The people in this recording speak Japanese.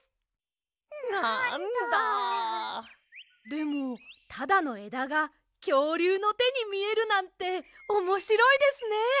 でもただのえだがきょうりゅうのてにみえるなんておもしろいですね。